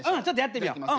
ちょっとやってみよう。